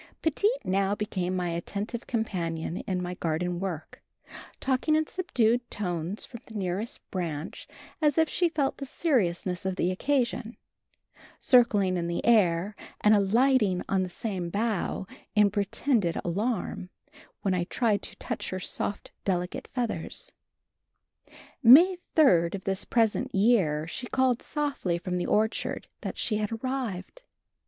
Petite now became my attentive companion in my garden work, talking in subdued tones from the nearest branch as if she felt the seriousness of the occasion, circling in the air and alighting on the same bough in pretended alarm when I tried to touch her soft, delicate feathers. May 3d of this present year she called softly from the orchard that she had arrived.